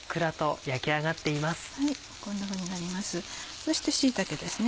そして椎茸ですね。